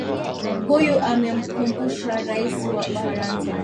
huyu amemkumbusha raisi wa ufaransa